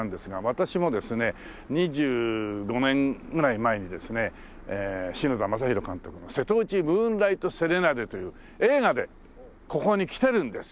私もですね２５年ぐらい前にですね篠田正浩監督の『瀬戸内ムーンライト・セレナーデ』という映画でここに来てるんです。